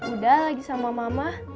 udah lagi sama mama